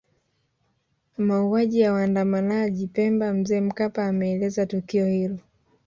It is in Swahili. Mauaji ya waandamanaji Pemba Mzee Mkapa ameeleza tukio hilo